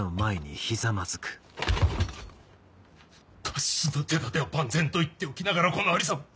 脱出の手だては万全と言っておきながらこのありさま。